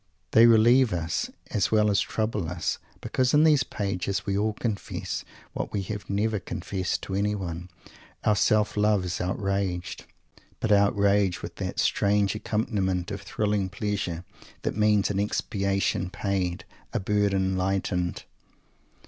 They relieve us, as well as trouble us, because in these pages we all confess what we have never confessed to anyone. Our self love is outraged, but outraged with that strange accompaniment of thrilling pleasure that means an expiation paid, a burden lightened.